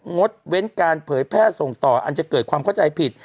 งดเว้นการเผยแพทย์ส่งต่อ